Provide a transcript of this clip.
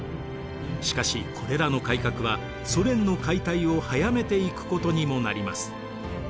しかしこれらの改革はソ連の解体を速めていくことにもなります。